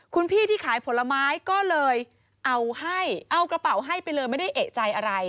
คุณพี่ที่ขายผลไม้ก็เลยเอาให้เอากระเป๋าให้ไปเลยไม่ได้เอกใจอะไร